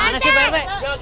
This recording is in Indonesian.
gimana sih pak rt